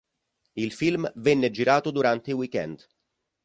Il film venne girato durante i week-end.